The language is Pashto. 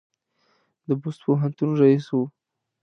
د بُست پوهنتون رییس و.